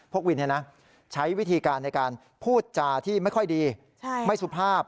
วินใช้วิธีการในการพูดจาที่ไม่ค่อยดีไม่สุภาพ